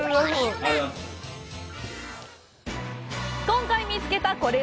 今回見つけたコレ